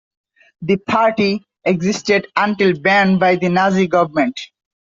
The party existed until banned by the Nazi government.